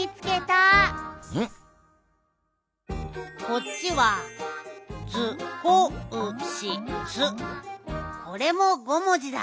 こっちはこれも５もじだ。